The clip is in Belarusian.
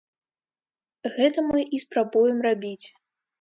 Гэта мы і спрабуем рабіць.